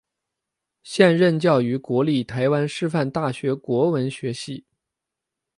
现任教于国立台湾师范大学国文学系。